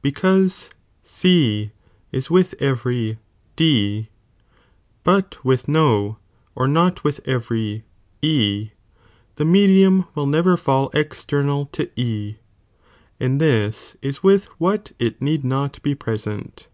because C is with every D,t but with '•i'^^. no, or not with every E,f the medium will never '^'"' faU external to E, and this^ is with what it need f e. not be present.'